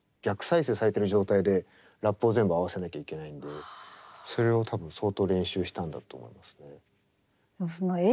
逆再生されてる状態でラップを全部合わせなきゃいけないんでそれを多分相当練習したんだと思いますね。